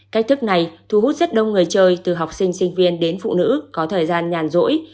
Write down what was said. cách thức này thu hút rất đông người chơi từ học sinh sinh viên đến phụ nữ có thời gian nhàn rỗi